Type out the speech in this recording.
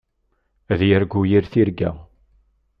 Ad yargu yir tirga.